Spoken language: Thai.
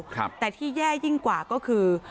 แต่ที่แย่ยิ่งกว่าก็คือ